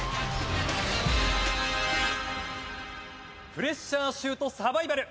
プレッシャーシュートサバイバル。